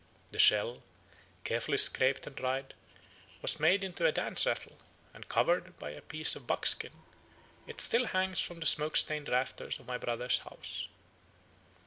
The shell, carefully scraped and dried, was made into a dance rattle, and, covered by a piece of buckskin, it still hangs from the smoke stained rafters of my brother's house.